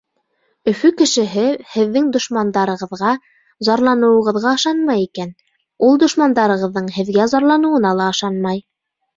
Өфө кешеһе һеҙҙең дошмандарығыҙға зарланыуығыҙға ышанмай икән, ул дошмандарығыҙҙың һеҙгә зарланыуына ла ышанмай.